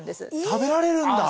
食べられるんだ！